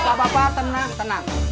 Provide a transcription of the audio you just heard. bapak bapak tenang tenang